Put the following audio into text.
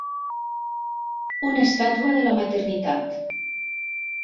Una estàtua de la maternitat.